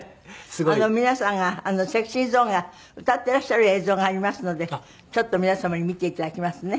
皆さんがＳｅｘｙＺｏｎｅが歌っていらっしゃる映像がありますのでちょっと皆様に見て頂きますね。